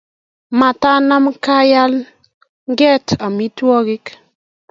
Matanam kalyanget amitwogikguk